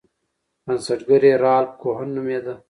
بنسټګر یې رالف کوهن نومیده.